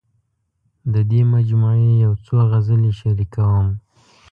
د دې مجموعې یو څو غزلې شریکوم.